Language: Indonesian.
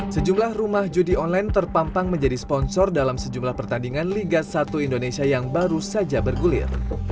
sejumlah rumah judi online terpampang menjadi sponsor dalam sejumlah pertandingan liga satu indonesia yang baru saja bergulir